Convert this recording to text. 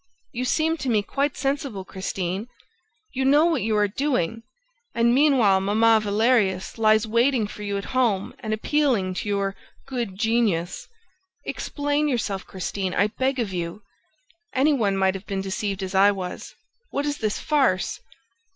You seem to me quite sensible, Christine. You know what you are doing ... And meanwhile Mamma Valerius lies waiting for you at home and appealing to your 'good genius!' ... Explain yourself, Christine, I beg of you! Any one might have been deceived as I was. What is this farce?"